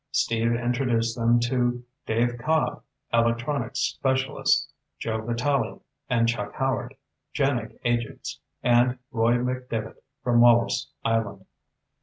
Steve introduced them to Dave Cobb, electronics specialist; Joe Vitalli and Chuck Howard, JANIG agents; and Roy McDevitt from Wallops Island.